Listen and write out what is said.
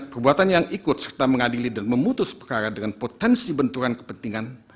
perbuatan yang ikut serta mengadili dan memutus perkara dengan potensi benturan kepentingan